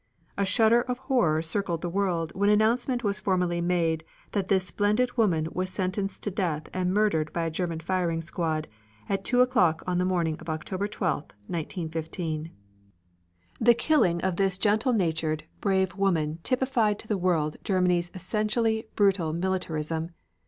A shudder of horror circled the world when announcement was formally made that this splendid woman was sentenced to death and murdered by a German firing squad at two o'clock on the morning of October 12, 1915. The killing of this gentle natured, brave woman typified to the world Germany's essentially brutal militarism.